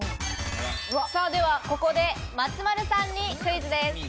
ではここで、松丸さんにクイズです。